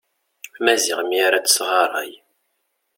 Maziɣ mi ara tesɣaray.